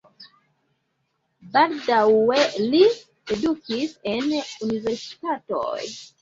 Baldaŭe li edukis en universitatoj.